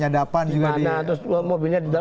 di mana terus mobilnya